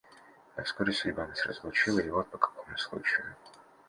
Но вскоре судьба нас разлучила, и вот по какому случаю.